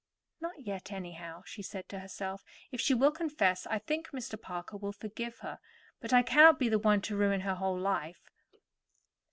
"Not yet, anyhow," she said to herself. "If she will confess, I think Mr. Parker will forgive her, but I cannot be the one to ruin her whole life."